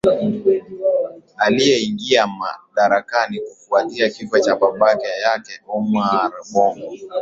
alieingia madarakani kufuatia kifo cha babake yake omar bongo